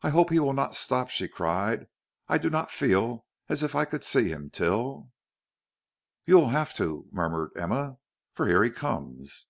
"I hope he will not stop," she cried. "I do not feel as if I could see him till " "You will have to," murmured Emma, "for here he comes."